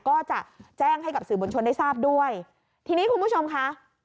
ก็จะแจ้งให้กับสื่อบนชนได้ทราบด้วยทีนี้คุณผู้ชมค่ะ